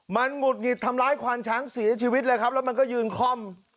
มันหงุดหงิดทำร้ายควานช้างเสียชีวิตเลยครับแล้วมันก็ยืนค่อม